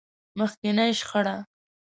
مخکينۍ شخړه.